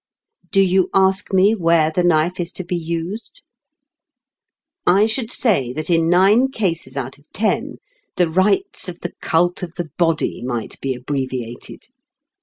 Do you ask me where the knife is to be used? I should say that in nine cases out of ten the rites of the cult of the body might be abbreviated.